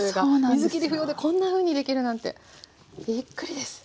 水きり不要でこんなふうにできるなんてびっくりです。